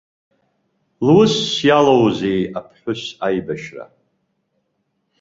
Лусс иалоузеи аԥҳәыс аибашьра?!